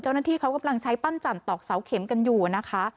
เจ้าหน้าที่เขากำลังใช้ปั้นจันตอกเสาเข็มกันอยู่นะคะ